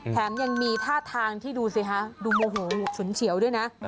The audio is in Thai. แถมยังมีท่าทางที่ดูสิคะดูโมโหฉุนเฉียวด้วยนะ